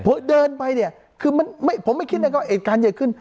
พอเดินไปเนี่ยคือมันไม่ผมไม่คิดนะครับว่าเอการเยอะขึ้น